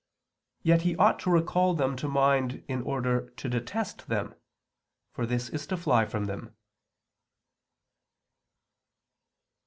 Yet he ought to recall them to mind, in order to detest them; for this is to fly from them.